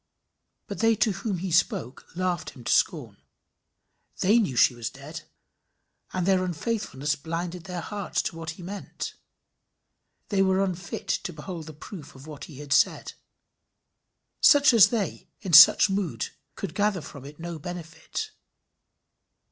But they to whom he spoke laughed him to scorn. They knew she was dead, and their unfaithfulness blinded their hearts to what he meant. They were unfit to behold the proof of what he had said. Such as they, in such mood, could gather from it no benefit.